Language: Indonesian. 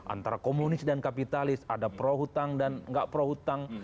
antara komunis dan kapitalis ada pro hutang dan nggak pro hutang